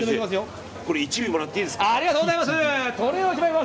これ１尾もらっていいですか。